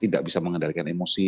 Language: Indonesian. tidak bisa mengendalikan emosi